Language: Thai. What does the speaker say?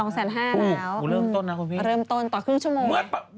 ๒๕๐๐๐๐บาทแล้วเริ่มต้นต่อครึ่งชั่วโมงเลยคุณพี่